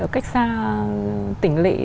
cách xa tỉnh lị